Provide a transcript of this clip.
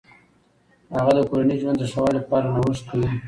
هغه د کورني ژوند د ښه والي لپاره نوښت کوي.